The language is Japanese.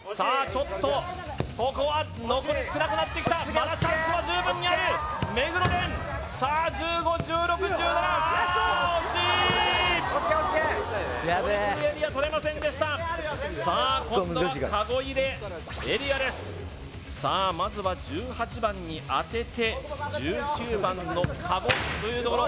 ちょっとここは残り少なくなってきたまだチャンスは十分にある目黒蓮さあ１５・１６・１７ああ惜しい・ＯＫＯＫやべえトリプルエリアとれませんでしたさあ今度はかご入れエリアですさあまずは１８番に当てて１９番のかごというところ・